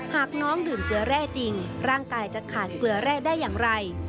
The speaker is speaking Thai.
หากน้องดื่มเกลือแร่จริงร่างกายจะขาดเกลือแร่ได้อย่างไร